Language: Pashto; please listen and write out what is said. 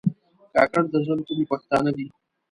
کاکړ د زړه له کومي پښتانه دي.